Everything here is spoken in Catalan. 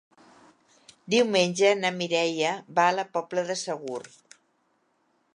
Diumenge na Mireia va a la Pobla de Segur.